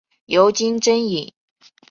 尤金真蚓。